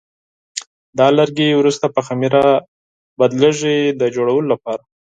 دا لرګي وروسته په خمېره تبدیلېږي د جوړولو لپاره.